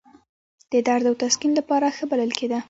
د درد او تسکین لپاره ښه بلل کېده.